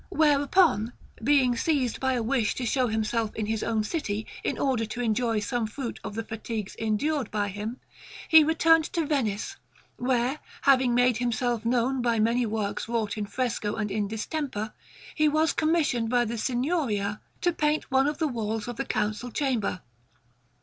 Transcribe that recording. Whereupon, being seized by a wish to show himself in his own city in order to enjoy some fruit of the fatigues endured by him, he returned to Venice, where, having made himself known by many works wrought in fresco and in distemper, he was commissioned by the Signoria to paint one of the walls of the Council Chamber.